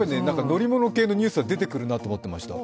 乗り物系のニュースが出てくるなって思ってました。